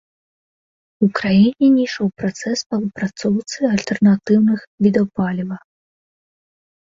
У краіне не ішоў працэс па выпрацоўцы альтэрнатыўных відаў паліва.